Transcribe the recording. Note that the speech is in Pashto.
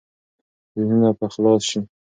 ذهنونه به خلاص شي.